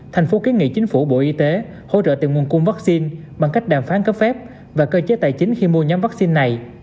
thành phố kiến nghị chính phủ bộ y tế hỗ trợ tìm nguồn cung vaccine bằng cách đàm phán cấp phép và cơ chế tài chính khi mua nhóm vaccine này